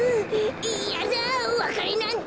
いやだおわかれなんて。